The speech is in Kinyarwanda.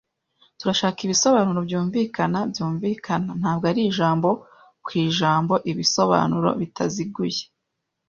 Turashaka ibisobanuro byumvikana-byumvikana, ntabwo ari ijambo-ku-ijambo ibisobanuro bitaziguye.